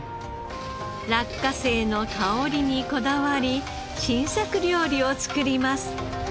落花生の香りにこだわり新作料理を作ります。